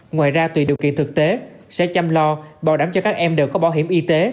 ngoài ra tùy điều kiện thực tế sẽ chăm lo bảo đảm cho các em đều có bảo hiểm y tế